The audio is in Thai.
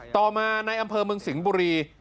ต่อมาในอำเภอเมืองสิงห์บุรี